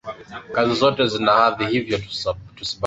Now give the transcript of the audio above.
Kazi zote zina hadhi, hivyo tusibagueni